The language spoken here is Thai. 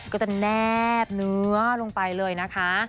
ก็จะแนบเนื้อลงไปเลยนะคะ